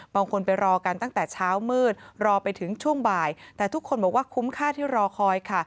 ไปรอกันตั้งแต่เช้ามืดรอไปถึงช่วงบ่ายแต่ทุกคนบอกว่าคุ้มค่าที่รอคอยค่ะ